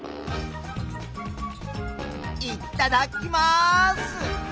いっただっきます！